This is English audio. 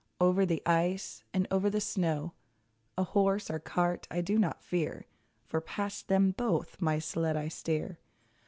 Over the ice, and over the snow; A horse or cart I do not fear. For past them both my sled I steer.